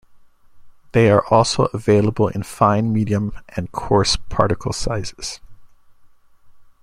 They are also available in fine, medium and coarse particle sizes.